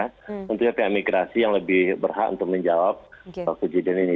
tentunya pihak migrasi yang lebih berhak untuk menjawab kejadian ini